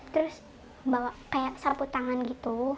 terus kayak sarpu tangan gitu